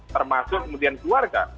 termasuk kemudian keluarga